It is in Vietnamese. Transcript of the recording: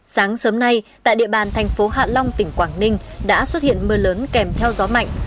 sáng sớm nay tại địa bàn thành phố hạ long tỉnh quảng ninh đã xuất hiện mưa lớn kèm theo gió mạnh